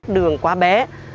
đường quá bé